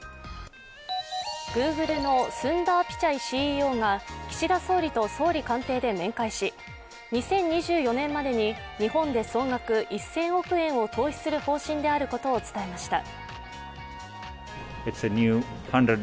グーグルのスンダー・ピチャイＣＥＯが岸田総理と総理官邸で面会し２０２４年までに日本で総額１０００億円を投資する方針であることを伝えました。